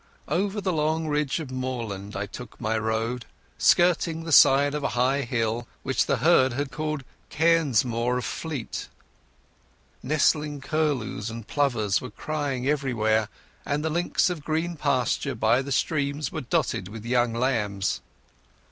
Over a long ridge of moorland I took my road, skirting the side of a high hill which the herd had called Cairnsmore of Fleet. Nesting curlews and plovers were crying everywhere, and the links of green pasture by the streams were dotted with young lambs.